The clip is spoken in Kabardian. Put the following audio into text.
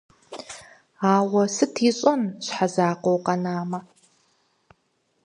Ауэ сыт ищӀэн щхьэ закъуэу къэнамэ?